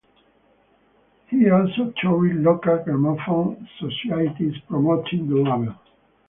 He also toured local gramophone societies promoting the label.